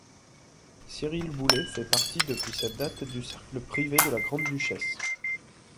Cyrille Boulay fait partie depuis cette date du cercle privé de la grande-duchesse.